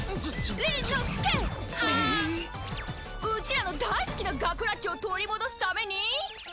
うちらの大好きなガクラッチョを取り戻すために。